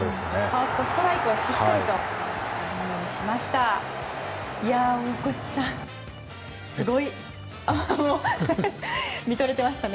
ファーストストライクをしっかりと反応しました。